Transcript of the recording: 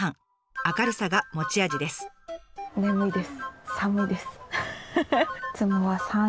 明るさが持ち味です。